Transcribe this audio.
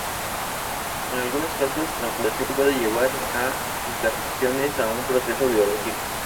En algunos casos, la mutación puede llevar a interrupciones a un proceso biológico.